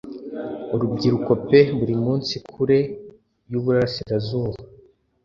Urubyiruko pe buri munsi kure yuburasirazuba